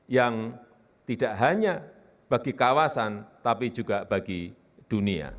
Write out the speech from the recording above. yang tidak hanya bagi kawasan tapi juga bagi dunia